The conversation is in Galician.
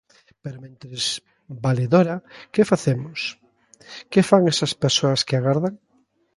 Pero mentres, valedora, ¿que facemos?, ¿que fan esas persoas que agardan?